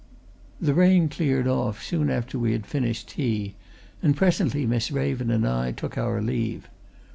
The rain cleared off soon after we had finished tea, and presently Miss Raven and I took our leave.